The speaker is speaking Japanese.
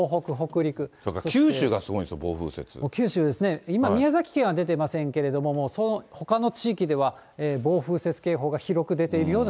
それから九州がすごいんです九州ですね、今、宮崎県は出てませんけど、そのほかの地域では、暴風雪警報が広く出ているよ